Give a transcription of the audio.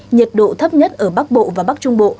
nhiệt độ thấp nhất ở bắc bộ và bắc trung bộ